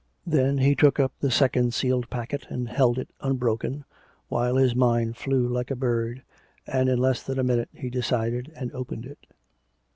Then he took up the second sealed packet, and held it unbroken, while his mind flew like a bird, and in less than a minute he decided, and opened it.